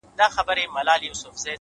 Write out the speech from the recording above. o په سپورږمۍ كي زمــــا پــيــــر دى؛